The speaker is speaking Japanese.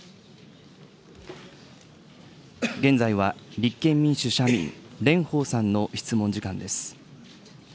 現在は、立憲民主・社民、蓮舫さんの質問時間です。